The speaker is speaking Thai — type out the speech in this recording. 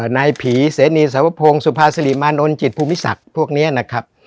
นายผีเสนีสวพงศ์สุภาษิริมานนท์จิตภูมิศักดิ์พวกนี้นะครับ